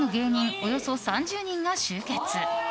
およそ３０人が集結。